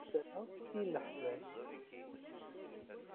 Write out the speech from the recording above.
Ad d-serrḥeɣ i yimeḥbas.